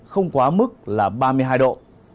không quá mức là ba mươi hai độ